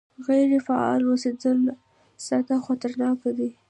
غیر فعال اوسېدل ساده او خطرناک دي